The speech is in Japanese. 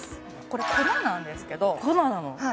これ粉なんですけど粉なの？